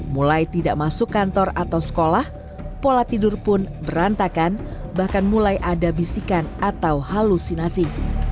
mulai tidak masuk kantor atau sekolah pola tidur pun berantakan bahkan mulai ada bisikan atau halusinasi